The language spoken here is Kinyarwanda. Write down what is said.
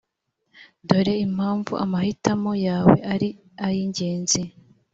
dore impamvu amahitamo yawe ari ay’ingenzi